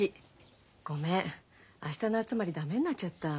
ごめん明日の集まり駄目になっちゃった。